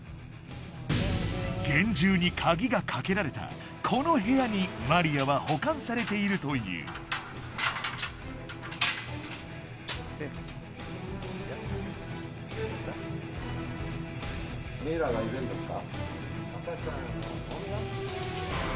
厳重に鍵がかけられたこの部屋にマリアは保管されているというミイラがいるんですか？